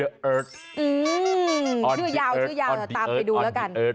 ชื่อยาวชื่อยาวตามไปดูแล้วกัน